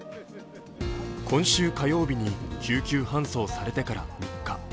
今週火曜日に救急搬送されてから３日。